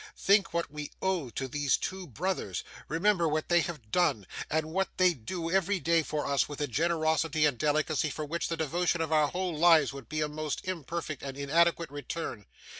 Think what we owe to these two brothers: remember what they have done, and what they do every day for us with a generosity and delicacy for which the devotion of our whole lives would be a most imperfect and inadequate return.